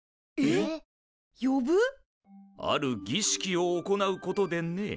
あるぎしきを行うことでね。